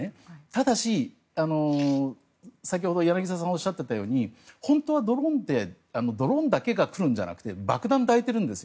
ただし先ほど、柳澤さんがおっしゃっていたように本当はドローンだけが来るんじゃなくて爆弾を抱いてるんです。